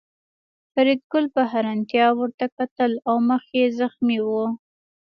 فریدګل په حیرانتیا ورته کتل او مخ یې زخمي و